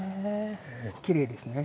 きれいですね。